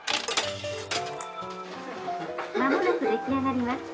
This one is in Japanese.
「間もなく出来上がります」